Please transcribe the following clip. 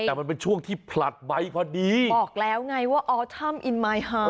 แต่มันเป็นช่วงที่ผลัดใบพอดีบอกแล้วไงว่าออทัมอินไมฮา